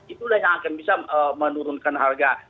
itulah yang akan bisa menurunkan harga